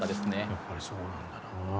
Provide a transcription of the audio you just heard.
やっぱりそうなんだな。